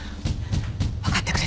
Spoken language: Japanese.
わかってくれた？